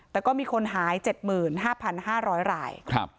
แต่ก็มีคนหาย๗๕๕๐๐ราย